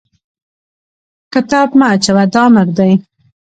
کتاب مه اچوه! دا امر دی.